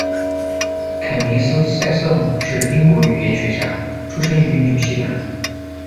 肯尼思·赛瑟姆是英国语言学家，出生于纽西兰。